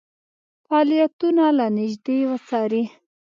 فعالیتونه له نیژدې وڅاري.